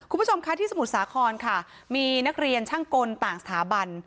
คุณผู้ชมคะที่สมุทรสาครค่ะมีนักเรียนช่างกลต่างสถาบัน